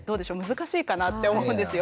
難しいかなって思うんですよ。